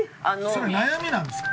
それ悩みなんですか？